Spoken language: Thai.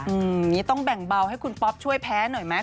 อย่างนี้ต้องแบ่งเบาให้คุณป๊อปช่วยแพ้หน่อยไหม